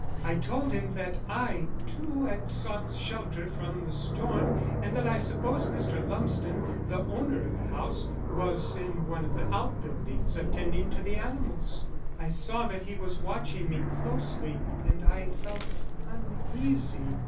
I told him that I, too, had sought shelter from the storm and that I supposed Mr. Lumsden, the owner of the house, was in one of the outbuildings attending to the animals. I saw that he was watching me closely and I felt uneasy.